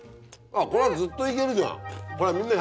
これずっといけるじゃん。